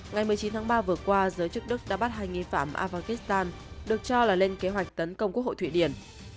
ngày một mươi chín tháng ba vừa qua giới chức đức đã bắt hai nghi phạm afghanistan được cho là lên kế hoạch tấn công quốc hội thụy điển